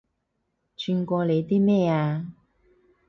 串過你啲咩啊